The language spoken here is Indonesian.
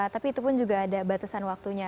tapi itu pun juga ada batasan waktunya